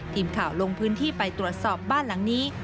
ทีมข่าวลงพื้นที่ไปตรวจสอบบ้านหลังนี้